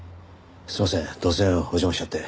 すいません突然お邪魔しちゃって。